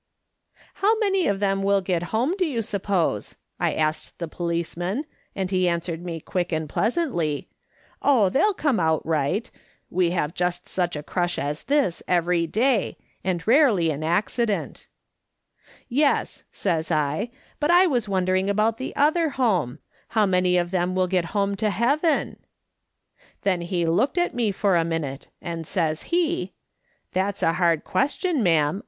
"' How many of them will get home, do you sup pose V I asked the policeman, and he answered me quick and pleasantly : "'Oh, they'll come out right. We have just such a crush as this every day, and rarely an acci dent.' "' Yes,' says I, ' but I was wondering about the other home. How many of them will get home to heaven ?' "Then he looked at me for a minute, and saya be; 190 MRS. SOLOMON SMITH LOOKING ON. "' That's a hard question, ina'am.